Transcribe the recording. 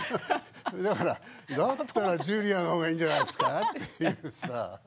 だったらジュリアの方がいいんじゃないですか？」って言うしさ。